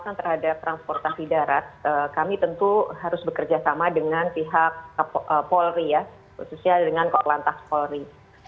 pemeriksaan terhadap transportasi darat kami tentu harus bekerja sama dengan pihak polri ya khususnya dengan korlantas polri